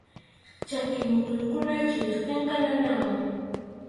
Chaki muquykunam chiriptinqa nanawan.